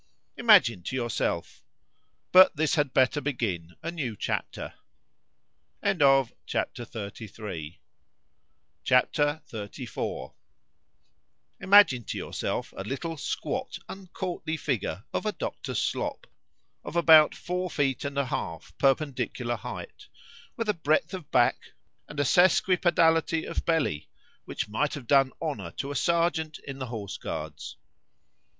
Imagine to yourself;—but this had better begin a new chapter. C H A P. XXXIV IMAGINE to yourself a little squat, uncourtly figure of a Doctor Slop, of about four feet and a half perpendicular height, with a breadth of back, and a sesquipedality of belly, which might have done honour to a serjeant in the horse guards.